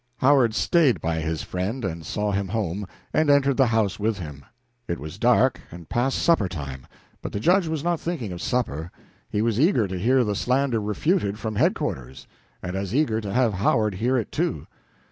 Howard stayed by his friend, and saw him home, and entered the house with him. It was dark, and past supper time, but the Judge was not thinking of supper; he was eager to hear the slander refuted from headquarters, and as eager to have Howard hear it, too.